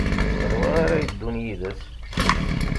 Anwa ara yeddun yid-s?